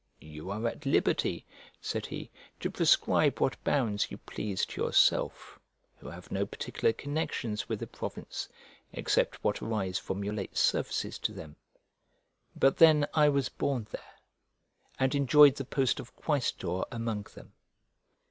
"You are at liberty," said he, "to prescribe what bounds you please to yourself, who have no particular connections with the province, except what arise from your late services to them; but then I was born there, and enjoyed the post of quaestor among them."